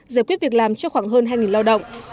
giải quyết việc làm cho khoảng hơn hai lao động